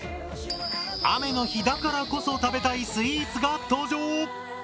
雨の日だからこそ食べたいスイーツが登場！